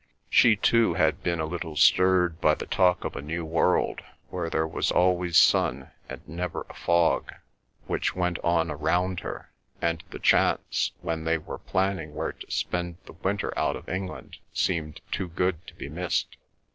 She, too, had been a little stirred by the talk of a new world, where there was always sun and never a fog, which went on around her, and the chance, when they were planning where to spend the winter out of England, seemed too good to be missed.